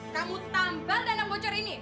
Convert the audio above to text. kamu tambal dalam bocor ini